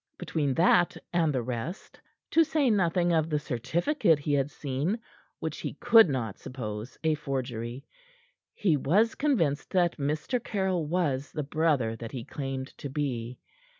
Between that and the rest to say nothing of the certificate he had seen, which he could not suppose a forgery he was convinced that Mr. Caryll was the brother that he claimed to be.